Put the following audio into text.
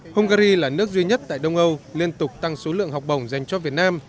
hungary là nước duy nhất tại đông âu liên tục tăng số lượng học bổng dành cho việt nam